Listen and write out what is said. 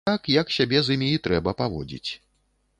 Так, як сябе з імі і трэба паводзіць.